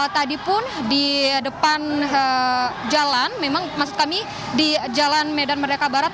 tadi pun di depan jalan memang maksud kami di jalan medan merdeka barat